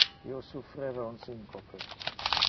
Io suffreva un syncope.